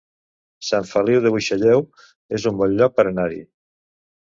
Sant Feliu de Buixalleu es un bon lloc per anar-hi